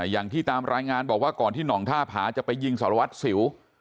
อย่างที่ตามรายงานบอกว่าก่อนที่หนองท่าผาจะไปยิงสารวัตรสิว